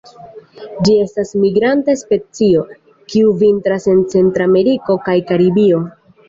Ĝi estas migranta specio, kiu vintras en Centrameriko kaj Karibio.